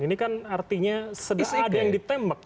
ini kan artinya sedang ada yang ditembak gitu